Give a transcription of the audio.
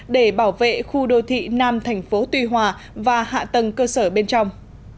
để bảo vệ khu đô thị nam thành phố tuy hòa và hạ tầng cơ sở bên trong